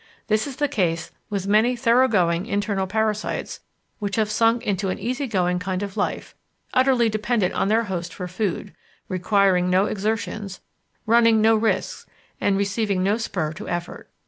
This is the case with many thoroughgoing internal parasites which have sunk into an easygoing kind of life, utterly dependent on their host for food, requiring no exertions, running no risks, and receiving no spur to effort.